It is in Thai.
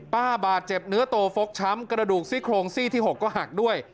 บาดเจ็บเนื้อโตฟกช้ำกระดูกซี่โครงซี่ที่๖ก็หักด้วย